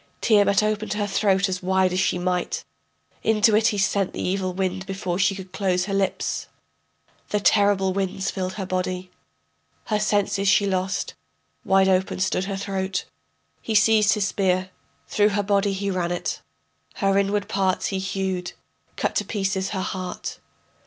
Tiamat opened her throat as wide as she might, Into it he sent the evil wind before she could close her lips. The terrible winds filled her body, Her senses she lost, wide open stood her throat. He seized his spear, through her body he ran it, Her inward parts he hewed, cut to pieces her heart.